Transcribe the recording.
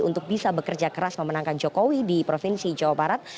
untuk bisa bekerja keras memenangkan jokowi di provinsi jawa barat